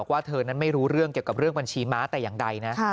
ว่าเธอนั้นไม่รู้เรื่องเกี่ยวกับเรื่องบัญชีม้าแต่อย่างใดนะ